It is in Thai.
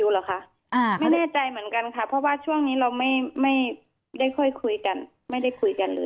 เหรอคะไม่แน่ใจเหมือนกันค่ะเพราะว่าช่วงนี้เราไม่ได้ค่อยคุยกันไม่ได้คุยกันเลย